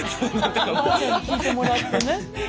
おばあちゃんに聞いてもらってね。